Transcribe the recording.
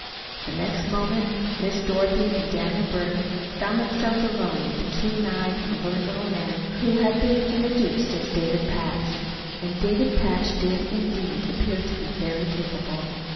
The next moment Miss Dorothy and Daniel Burton found themselves alone with the keen eyed, alert little man who had been introduced as David Patch. And David Patch did, indeed, appear to be very capable.